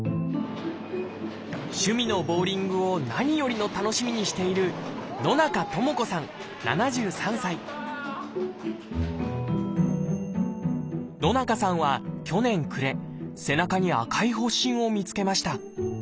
趣味のボウリングを何よりの楽しみにしている野中さんは去年暮れ背中に赤い発疹を見つけました。